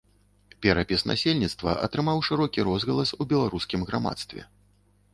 Перапіс насельніцтва атрымаў шырокі розгалас у беларускім грамадстве.